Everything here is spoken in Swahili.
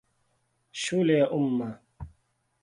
Shule ya Umma.